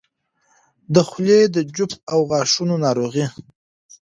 د خولې د جوف او غاښونو ناروغۍ